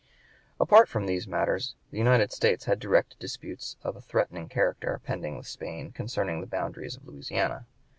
Apart from these matters the United States had direct disputes of a threatening character pending with Spain concerning the boundaries of Louisiana.